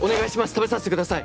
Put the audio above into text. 食べさせてください。